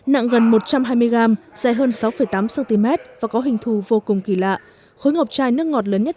nặng gần một trăm hai mươi gram dài hơn sáu tám cm và có hình thù vô cùng kỳ lạ khối ngọc chai nước ngọt lớn nhất